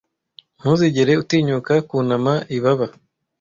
ntuzigere utinyuka kunama ibaba